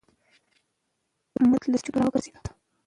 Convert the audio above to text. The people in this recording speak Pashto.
مراد له سوچونو راوګرځېد.